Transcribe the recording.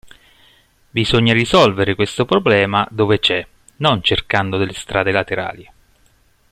Bisogna risolvere questo problema dove c'è, non cercando delle strade laterali".